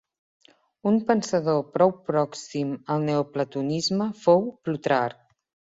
Un pensador prou pròxim al neoplatonisme fou Plutarc.